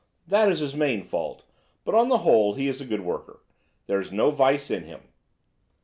That is his main fault, but on the whole he's a good worker. There's no vice in him."